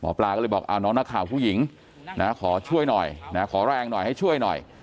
ปลาก็เลยบอกน้องนักข่าวผู้หญิงนะขอช่วยหน่อยนะขอแรงหน่อยให้ช่วยหน่อย